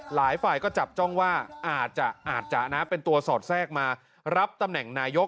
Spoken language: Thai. หลายฝ่ายก็จับจ้องว่าอาจจะเป็นตัวสอดแทรกมารับตำแหน่งนายก